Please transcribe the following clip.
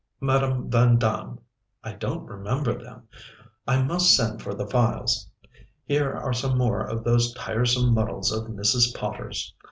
Madame Van Damm I don't remember them I must send for the files. Here are some more of those tiresome muddles of Mrs. Potter's.